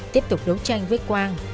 tiếp tục đấu tranh với quang